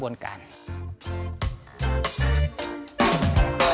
โปรดติดตามตอนต่อไป